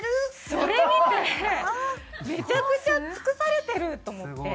それ見てめちゃくちゃ尽くされてると思って。